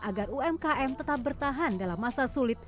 agar umkm tetap bertahan dalam masa sulit